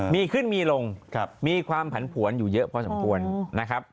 มีขึ้นมีลงมีความผันผวนอยู่เยอะพอสมควรนะครับ